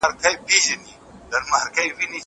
زه هره ورځ سپينکۍ پرېولم!!